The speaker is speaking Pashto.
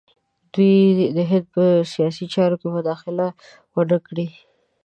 دوی د هند په سیاسي چارو کې مداخله ونه کړي.